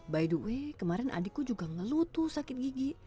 by the way kemarin adikku juga ngelutu sakit gigi